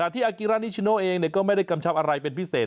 ที่อากิรานิชโนเองก็ไม่ได้กำชับอะไรเป็นพิเศษ